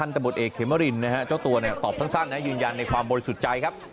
ทอเคมรินนะฮะเจ้าตัวตอบสั้นตอบซักยืนยันในความโบริษุใจครับ